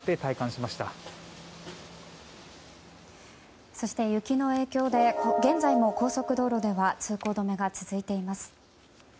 そして雪の影響で現在も高速道路では通行止めが続いています。